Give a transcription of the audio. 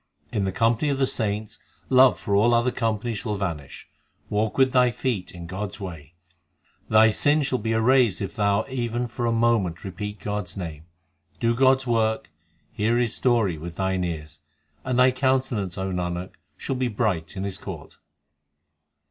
In the company of the saints love for all other company shall vanish. Walk with thy feet in God s way : Thy sins shall be erased if thou even for a moment repeat God s name. Do God s work, hear His story with thine ears, And thy countenance, O Nanak, shall be bright in His court.